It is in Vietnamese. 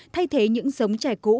thay thế những giống trè cũ